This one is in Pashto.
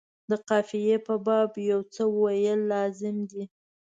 د قافیې په باب یو څه ویل لازم دي.